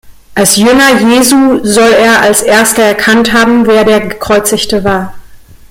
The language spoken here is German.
Als Jünger Jesu soll er als erster erkannt haben, wer der Gekreuzigte war.